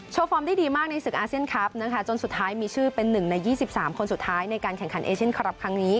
ฟอร์มได้ดีมากในศึกอาเซียนคลับนะคะจนสุดท้ายมีชื่อเป็น๑ใน๒๓คนสุดท้ายในการแข่งขันเอเชียนคลับครั้งนี้